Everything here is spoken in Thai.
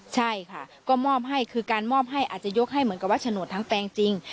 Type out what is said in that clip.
ใช่ค่ะก็มอบให้คือการมอบให้อาจจะยกให้เหมือนกับว่าโฉนดทั้งแปลงจริง